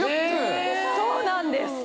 そうなんです。